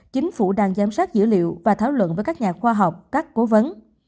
chính phủ đang giám sát dữ liệu và thảo luận với các nhà khoa học các cố vấn